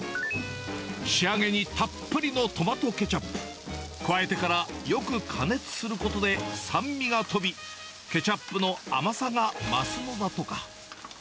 仕上げにたっぷりのトマトケチャップ、加えてからよく加熱することで、酸味が飛び、ケチャップの甘さが増すのだとか。